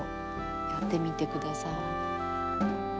やってみてください。